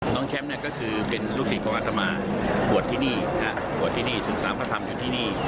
น้องแชมป์เนี่ยก็คือเป็นลูกศิษย์ของอัธมาหวัดที่นี่หวัดที่นี่ถึงสามธรรมอยู่ที่นี่